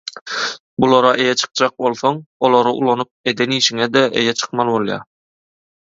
Bulara eýe çykjak bolsaň olary ulanyp eden işiňe-de eýe çykmaly bolýar.